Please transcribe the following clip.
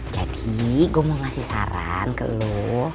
jadi gue mau ngasih saran ke lo